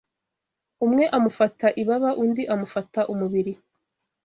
Umwe amufata ibaba undi amufata umubiri